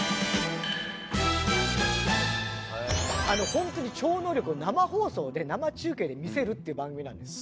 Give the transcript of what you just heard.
ホントに超能力を生放送で生中継で見せるっていう番組なのよ。